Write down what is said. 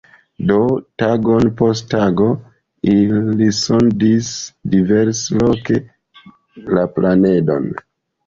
Do, tagon post tago, ili sondis diversloke la planedon.